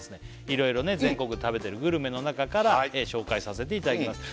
いろいろ全国で食べてるグルメの中から紹介させていただきます